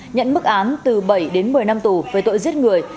nhận mức án từ bảy đến một mươi năm tù về tội giết người